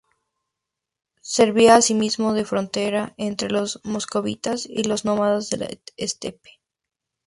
Servía asimismo de frontera entre los moscovitas y los nómadas de la estepa.